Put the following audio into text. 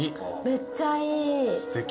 めっちゃいい。